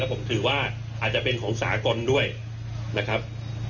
ผมถือว่าอาจจะเป็นของสากลด้วยนะครับ